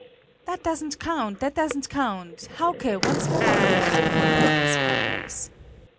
"That doesn't count! That doesn't count! Hauke, once more!" called his partners.